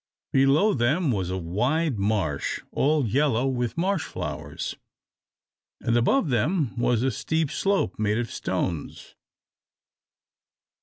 Below them was a wide marsh, all yellow with marsh flowers, and above them was a steep slope made of stones.